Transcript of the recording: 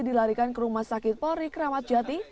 dilarikan ke rumah sakit polri kramat jati